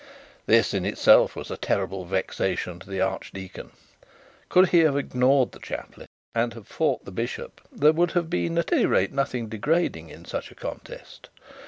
This in itself was a terrible vexation to the archdeacon. Could he have ignored the chaplain, and have fought the bishop, there would have been, at any rate, nothing degrading in such a contest.